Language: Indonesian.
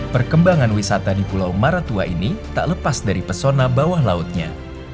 perkembangan wisata di pulau maratua ini tak lepas dari pesona bawah lautnya